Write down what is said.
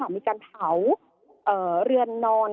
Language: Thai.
มีการเผาเรือนนอน